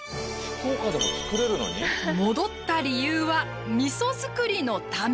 戻った理由はみそ造りのため。